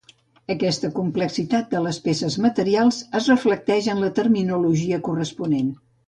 Aquesta complexitat de les peces materials es reflecteix en la terminologia corresponent.